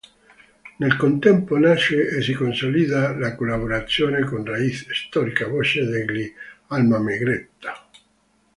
Nel contempo nasce e si consolida la collaborazione con Raiz, storica voce degli Almamegretta.